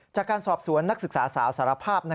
จากการสอบสวนนักศึกษาสาวสารภาพ